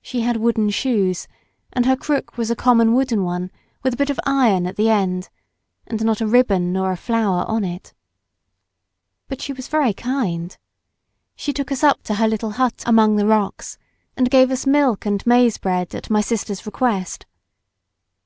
She had wooden shoes, and her crook was a common wooden one with a bit of iron at the end, and not a ribbon nor a flower on it. But she was very kind. She took us up to her little hut among the rocks and gave us milk and maize bread at my sister's request.